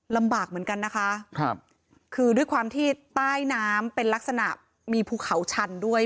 ลำบากเหมือนกันนะคะครับคือด้วยความที่ใต้น้ำเป็นลักษณะมีภูเขาชันด้วย